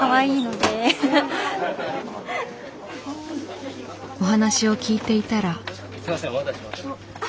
お話を聞いていたら。